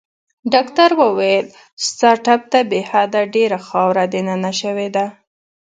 ډاکټر وویل: ستا ټپ ته بې حده ډېره خاوره دننه شوې ده.